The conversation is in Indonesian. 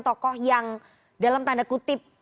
tokoh yang dalam tanda kutip